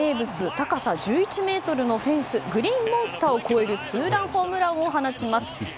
高さ１１ｍのフェンスグリーンモンスターを越えるツーランホームランを放ちます。